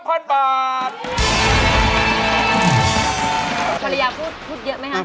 ภรรยาพูดเยอะไหมครับ